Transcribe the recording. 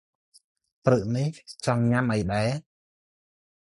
ព្រឹកនេះចង់ញ៉ាំអីដែរ ។